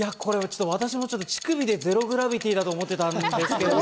私も乳首でゼログラビティーだと思ってたんですけれども。